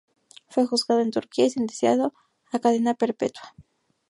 Fue juzgado en Turquía y sentenciado a cadena perpetua.